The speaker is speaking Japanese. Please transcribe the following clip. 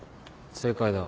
正解だ。